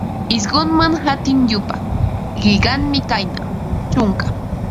Isqunman qatiq yupa, qillqanmi kayna: chunka